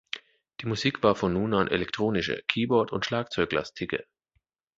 Die Musik war von nun an elektronischer, Keyboard- und Schlagzeug-lastiger.